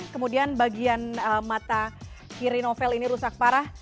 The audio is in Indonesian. kemudian bagian mata kiri novel ini rusak parah